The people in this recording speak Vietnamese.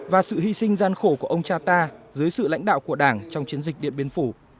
và sự hy sinh gian khổ của ông cha ta dưới sự lãnh đạo của đảng trong chiến dịch điện biên phủ